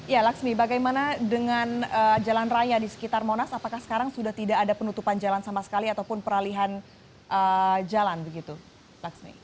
ya laksmi bagaimana dengan jalan raya di sekitar monas apakah sekarang sudah tidak ada penutupan jalan sama sekali ataupun peralihan jalan begitu laksmi